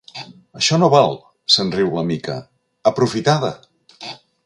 Això no val! —se'n riu la Mica— Aprofitada!